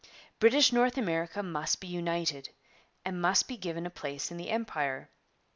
British North America must be united, and must be given a place in the Empire.